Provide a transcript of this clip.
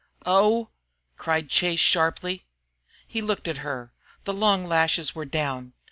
"Oh!" cried Chase, sharply. He looked at her; the long lashes were down.